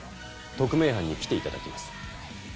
特命班に来て頂きます。